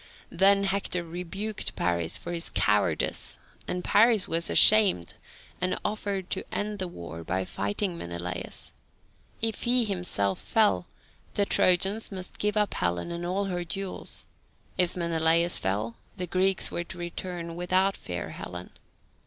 Then Hector rebuked Paris for his cowardice, and Paris was ashamed and offered to end the war by fighting Menelaus. If he himself fell, the Trojans must give up Helen and all her jewels; if Menelaus fell, the Greeks were to return without fair Helen.